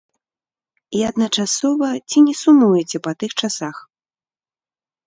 І адначасова ці не сумуеце па тых часах?